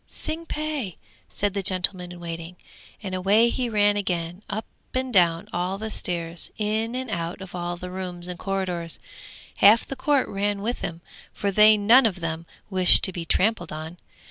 'Tsing pe!' said the gentleman in waiting, and away he ran again, up and down all the stairs, in and out of all the rooms and corridors; half the court ran with him, for they none of them wished to be trampled on.